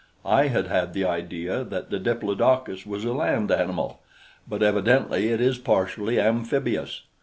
I had had the idea that the diplodocus was a land animal, but evidently it is partially amphibious.